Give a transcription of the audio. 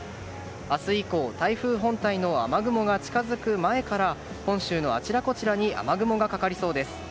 明日以降、台風本体の雨雲が近づく雨から本州のあちらこちらに雨雲がかかりそうです。